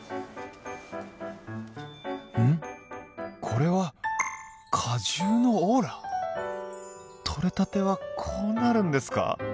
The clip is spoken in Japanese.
これは果汁のオーラ？取れたてはこうなるんですか！